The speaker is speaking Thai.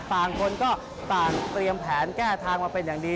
ต่างคนก็ต่างเตรียมแผนแก้ทางมาเป็นอย่างดี